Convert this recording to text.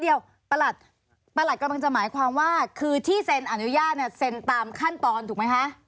เดี๋ยวประหลัดประหลัดกำลังจะหมายความว่าคือที่เซ็นอนุญาตเนี่ยเซ็นตามขั้นตอนถูกไหมคะ